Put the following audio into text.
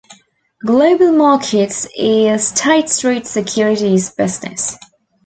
Global Markets is State Street's securities business.